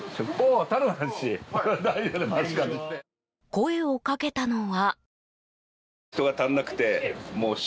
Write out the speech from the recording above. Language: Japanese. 声をかけたのは。